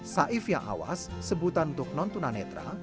saif yang awas sebutan untuk nontonan netra